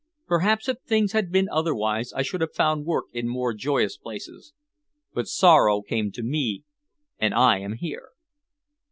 Perhaps if things had been otherwise, I should have found work in more joyous places, but sorrow came to me, and I am here."